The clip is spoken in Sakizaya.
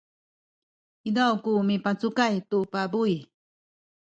izaw ku mipacukay tu pabuy